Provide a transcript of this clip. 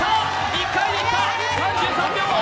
１回でいった、３３秒！